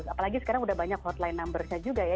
apalagi sekarang sudah banyak hotline number nya juga ya